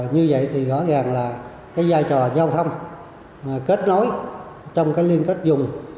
như vậy thì gõ gàng là giai trò giao thông kết nối trong liên kết dùng